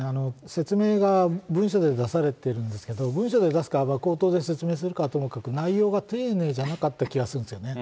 説明が文書で出されてるんですけれども、文書で出すか、口頭で説明するかはともかく、内容が丁寧じゃなかった気がするんですよね。